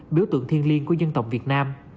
biểu tượng thiên liên của dân tộc việt nam